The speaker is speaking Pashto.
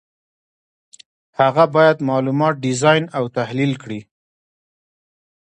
هغه باید معلومات ډیزاین او تحلیل کړي.